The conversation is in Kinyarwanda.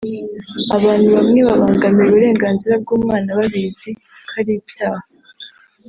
Abantu bamwe babangamira uburenganzira bw’umwana babizi ko ari icyaha